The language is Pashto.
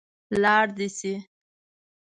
لاړ دې شي.